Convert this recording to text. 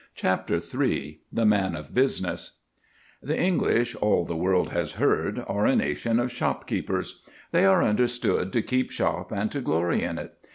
CHAPTER III THE MAN OF BUSINESS The English, all the world has heard, are a nation of shopkeepers. They are understood to keep shop and to glory in it.